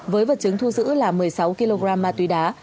với vật chứng thu giữ là một mươi sáu kg ma túy đá